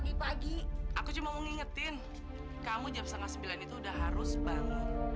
sih pagi pagi udah bener bener rumah orang